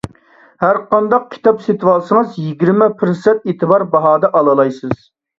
ھەرقانداق كىتاب سېتىۋالسىڭىز، يىگىرمە پىرسەنت ئېتىبار باھادا ئالالايسىز.